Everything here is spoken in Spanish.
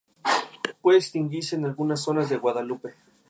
Puede extinguirse en algunas zonas de Guadalupe.